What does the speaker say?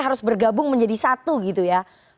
harus bergabung menjadi satu gitu ya